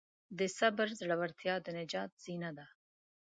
د صبر زړورتیا د نجات زینه ده.